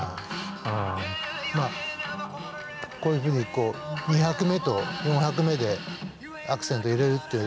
こういうふうに２拍目と４拍目でアクセント入れるっていうのは。